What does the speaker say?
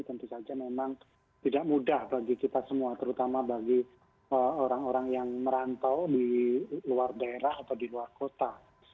tentu saja memang tidak mudah bagi kita semua terutama bagi orang orang yang merantau di luar daerah atau di luar kota